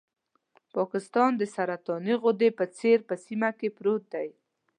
پاکستان د سرطاني غدې په څېر په سیمه کې پروت دی.